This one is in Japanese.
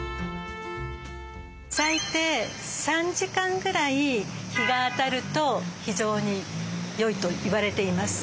最低３時間くらい日が当たると非常に良いと言われています。